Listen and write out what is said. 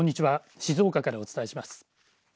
静岡からお伝えします。